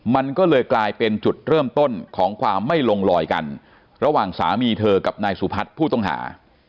มันก็เลยกลายเป็นจุดเริ่มต้นของความไม่ลงลอยกันระหว่างสามีเธอกับนายสุพัฒน์ผู้ต้องหา